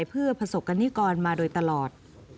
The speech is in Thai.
เพื่อประสบกันที่ก้อนมาด้วยตลอด